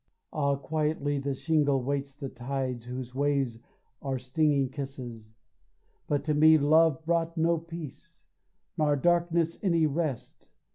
Ah quietly the shingle waits the tides Whose waves are stinging kisses, but to me Love brought no peace, nor darkness any rest.